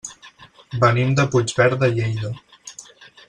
Venim de Puigverd de Lleida.